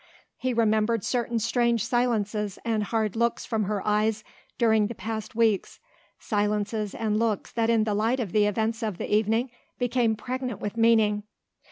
He remembered certain strange silences and hard looks from her eyes during the past weeks, silences and looks that in the light of the events of the evening became pregnant with meaning.